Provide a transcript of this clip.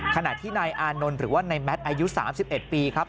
ขณะที่นายอานนท์หรือว่านายแมทอายุ๓๑ปีครับ